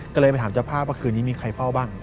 ก็เลยไปถามเจ้าภาพว่าคืนนี้มีใครเฝ้าบ้าง